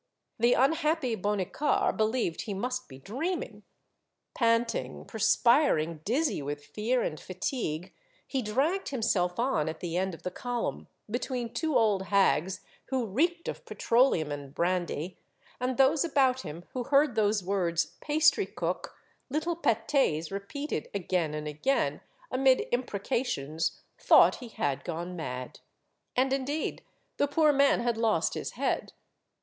The unhappy Bonnicar believed he must be dreaming. Panting, perspiring, dizzy with fear and fatigue, he dragged himself on at the end of the column, between two old hags who reeked of petro leum and brandy, and those about him who heard those words, pastry cook," " little pat^s," repeated again and again, amid imprecations, thought he had gone mad. And indeed the poor man had lost his head.